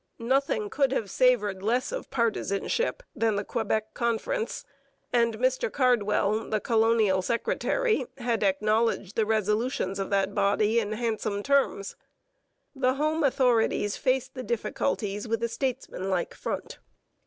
Nothing could have savoured less of partisanship than the Quebec Conference; and Mr Cardwell, the colonial secretary, had acknowledged the resolutions of that body in handsome terms. The home authorities faced the difficulties with a statesmanlike front.